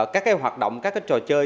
các hoạt động các trò chơi